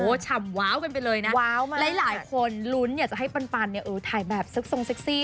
ที่จะทำว้าวมันไปเลยนะครับหลายคนรุ้นอยากจะให้ปันปันถ่ายแบบสักท่องเซ็กซี่